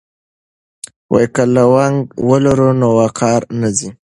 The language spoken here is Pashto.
که لونګۍ ولرو نو وقار نه ځي.